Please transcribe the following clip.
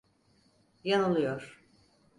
Yanılıyor.